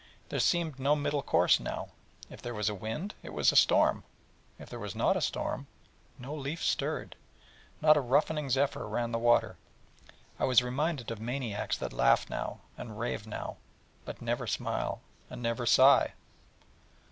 There seemed no middle course now: if there was a wind, it was a storm: if there was not a storm, no leaf stirred, not a roughening zephyr ran the water. I was reminded of maniacs that laugh now, and rave now but never smile, and never sigh.